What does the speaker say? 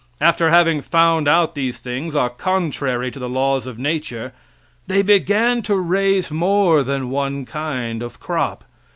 After having found out these things are contrary to the laws of nature, they began to raise more than one kind of crop.